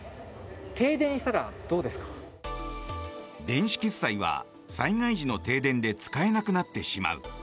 電子決済は災害時の停電で使えなくなってしまう。